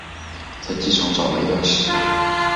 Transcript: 在机场找了一段时间